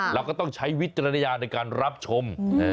เราก็ต้องใช้วิจารณญาณในการรับชม